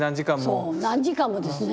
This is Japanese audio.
そう何時間もですね。